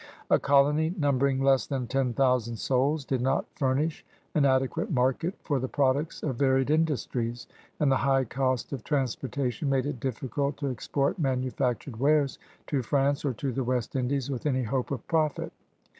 A colony numbering less than ten thou sand souls did not furnish an adequate market for the products of varied industries, and the high cost of transportation made it difficult to export manufactured wares to France or to the West Indies with any hope of profit.